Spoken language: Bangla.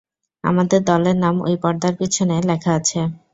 আমাদের দলের নাম ওই পর্দার পিছনে লেখা আছে।